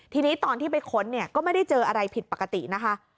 ทีนี้ตอนที่ไปค้นเนี่ยก็ไม่ได้เจออะไรผิดปกตินะคะ